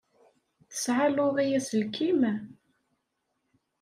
Tesɛa Laurie aselkim?